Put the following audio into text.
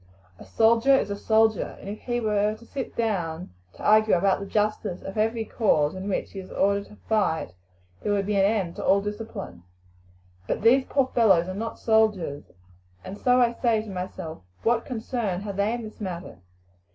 A soldier is a soldier, and if he were to sit down to argue about the justice of every cause in which he is ordered to fight there would be an end to all discipline. But these poor fellows are not soldiers, and so I say to myself, What concern have they in this matter?